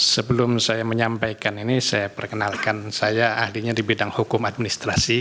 sebelum saya menyampaikan ini saya perkenalkan saya ahlinya di bidang hukum administrasi